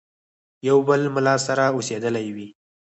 یو بل مُلا سره اوسېدلی وي.